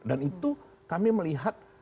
dan itu kami melihat